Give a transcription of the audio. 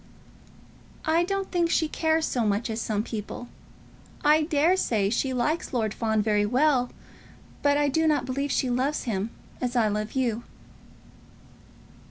"I don't think she cares so much as some people. I dare say she likes Lord Fawn very well, but I do not believe she loves him as I love you."